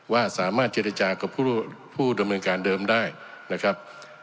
ว่าสามารถเจรจากับผู้ดำเนินการเดิมได้นะครับ